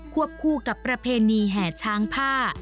วบคู่กับประเพณีแห่ช้างผ้า